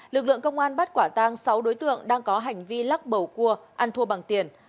lực lượng công an bắt quả tang sáu đối tượng đang có hành vi lắc bầu cua ăn thua bằng tiền